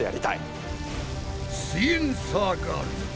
すイエんサーガールズ！